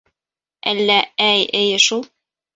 Әллә... әй... эйе шул!